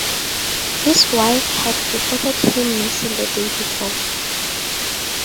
His wife had reported him missing the day before.